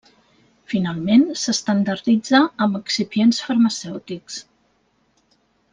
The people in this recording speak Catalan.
Finalment, s'estandarditza amb excipients farmacèutics.